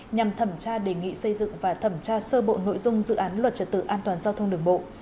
nhằm thẩm tra đề nghị xây dựng và thẩm tra sơ bộ nội dung dự án luật trật tự an toàn giao thông đường bộ